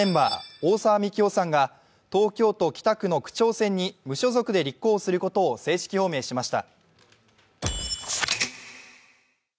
大沢樹生さんが東京都北区の区長選に無所属で立候補することを正式公表しました。